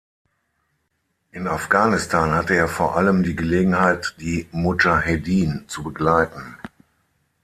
In Afghanistan hatte er vor allem die Gelegenheit die Mudschahedin zu begleiten.